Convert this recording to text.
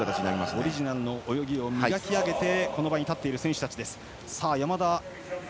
オリジナルの泳ぎを磨き上げてこの場に立っている選手たち。